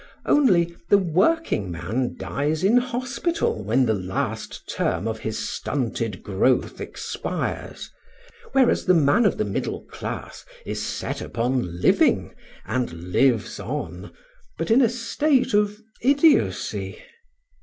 Only, the working man dies in hospital when the last term of his stunted growth expires; whereas the man of the middle class is set upon living, and lives on, but in a state of idiocy.